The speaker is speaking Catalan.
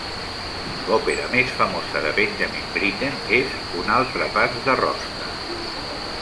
L'òpera més famosa de Benjamin Britten és "Un altre pas de rosca".